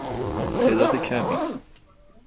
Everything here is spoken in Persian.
تعداد کمی.